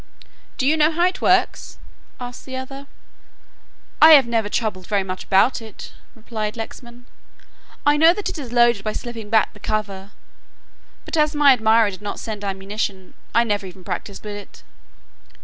"Do you know how it works?" asked the other. "I have never troubled very much about it," replied Lexman, "I know that it is loaded by slipping back the cover, but as my admirer did not send ammunition, I never even practised with it."